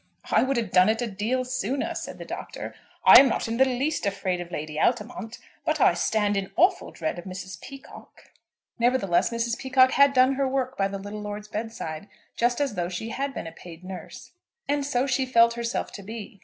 "I would have done it a deal sooner," said the Doctor. "I am not in the least afraid of Lady Altamont; but I stand in awful dread of Mrs. Peacocke." Nevertheless Mrs. Peacocke had done her work by the little lord's bed side, just as though she had been a paid nurse. And so she felt herself to be.